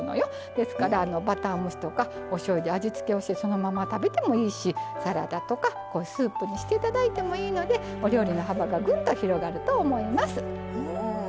ですからバター蒸しとかおしょうゆで味付けをしてそのまま食べてもいいしサラダとかスープにしていただいてもいいのでお料理の幅がぐんと広がると思います。